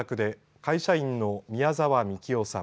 会社員の宮沢みきおさん